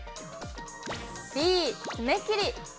Ｂ、爪切り。